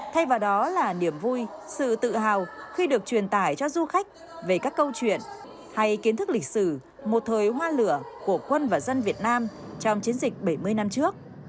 thay vào đó là niềm vui sự tự hào khi được truyền tải cho du khách về các câu chuyện hay kiến thức lịch sử một thời hoa lửa của quân và dân việt nam trong chiến dịch bảy mươi năm trước